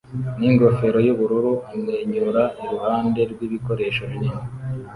n'ingofero yubururu amwenyura iruhande rwibikoresho binini